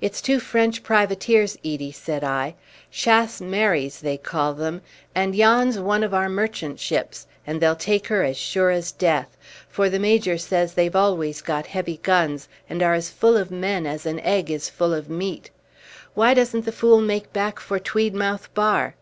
"It's two French privateers, Edie," said I, "Chasse marries, they call them, and yon's one of our merchant ships, and they'll take her as sure as death; for the Major says they've always got heavy guns, and are as full of men as an egg is full of meat. Why doesn't the fool make back for Tweedmouth bar?"